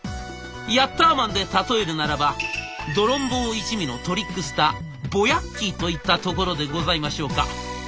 「ヤッターマン」で例えるならばドロンボー一味のトリックスターボヤッキーといったところでございましょうか。